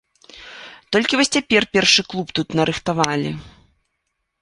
Толькі вось цяпер першы клуб тут нарыхтавалі.